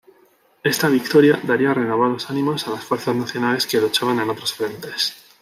Esta victoria daría renovados ánimos a las fuerzas nacionales que luchaban en otros frentes.